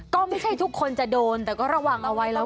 ก็ไม่ใช่ทุกคนจะโดนแต่ก็ระวังเอาไว้แล้ว